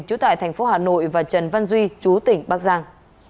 chú tại tp hà nội và trần văn duy chú tỉnh bắc giang